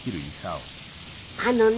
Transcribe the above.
あのね。